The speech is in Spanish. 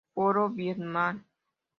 Foro Vietnam